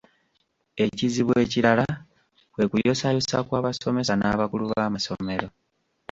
Ekizibu ekirala kwe kuyosaayosa kw'abasomesa n'abakulu b'amasomero.